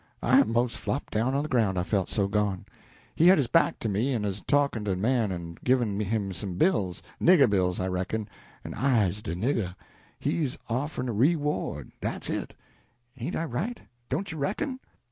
I 'mos' flopped down on de groun', I felt so gone. He had his back to me, en 'uz talkin' to de man en givin' him some bills nigger bills, I reckon, en I'se de nigger. He's offerin' a reward dat's it. Ain't I right, don't you reckon?"